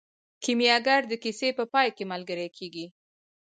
کیمیاګر د کیسې په پای کې ملګری کیږي.